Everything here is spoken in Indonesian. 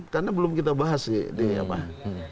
karena belum kita bahas sih